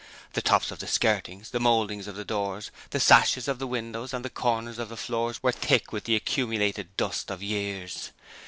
The tops of the skirtings, the mouldings of the doors, the sashes of the windows and the corners of the floors were thick with the accumulated dust of years.